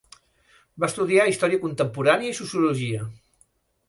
Va estudiar història contemporània i sociologia.